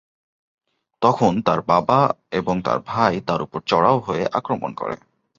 তখন তার বাবা এবং তার ভাই তার উপর চড়াও হয়ে আক্রমণ করে।